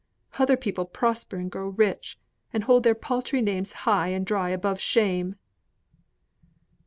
Other people grow rich, and hold their paltry names high and dry above shame."